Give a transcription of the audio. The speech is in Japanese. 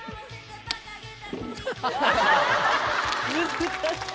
難しい。